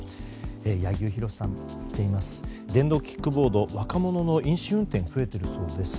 柳生博さん、電動キックボード若者の飲酒運転が増えているそうです。